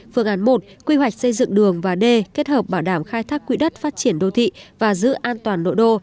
phương án một quy hoạch xây dựng đường và d kết hợp bảo đảm khai thác quỹ đất phát triển đô thị và giữ an toàn nội đô